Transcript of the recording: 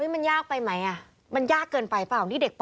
มันยากไปไหมมันยากเกินไปเปล่า